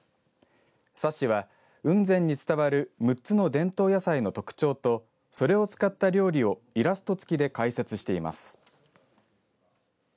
冊子は、雲仙に伝わる６つの伝統野菜の特徴とそれを使った料理をイラスト付きで解説しています。